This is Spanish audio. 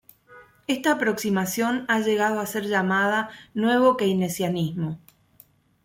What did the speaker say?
Esta aproximación ha llegado a ser llamada "Nuevo keynesianismo".